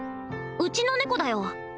うちの猫だよ